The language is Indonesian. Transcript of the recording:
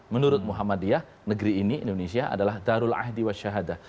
menurut muhammadiyah negeri ini indonesia adalah darul ahdi wa syahadah